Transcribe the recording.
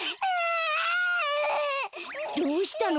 どうしたの？